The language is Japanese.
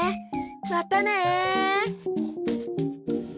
またね！